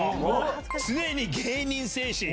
常に芸人精神。